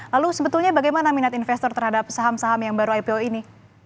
lalu sebetulnya bagaimana minat investor terhadap saham saham yang baru ipo ini